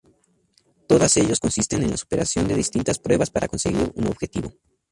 Todas ellos consisten en la superación de distintas pruebas para conseguir un objetivo.